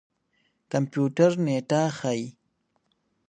کمپيوټر نېټه ښيي.